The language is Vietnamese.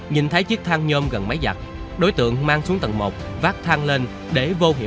nhìn thấy chiếc thang nhôm gần máy giặt đối tượng mang xuống tầng một vác thang lên để vô hiệu hóa camera nhà nạn nhân